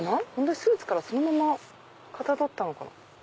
スーツからそのままかたどったのかな？